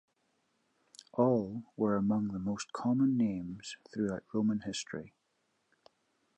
All were among the most common names throughout Roman history.